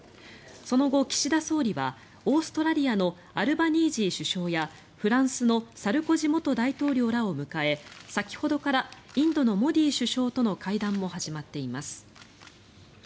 その後、岸田総理はオーストラリアのアルバニージー首相やフランスのサルコジ元大統領らを迎え先ほどからインドのモディ首相との会談も始まっています。